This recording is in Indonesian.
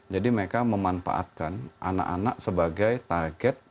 jadi mereka memanfaatkan anak anak sebagai target